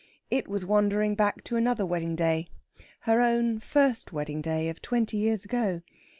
It was wandering back to another wedding day her own first wedding day of twenty years ago.